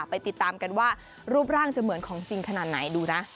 ไปติดตามกันว่ารูปร่างจะเหมือนของจริงขนาดไหนดูนะ